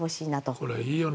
これ、いいよね。